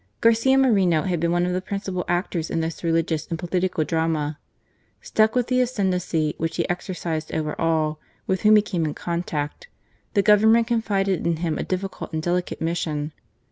Garcia Moreno had been one of the principal actors in this religious and political drama. Struck with the ascendancy which he exercised over all with whom he came in contact, the Government confided to him a difficult and delicate mission.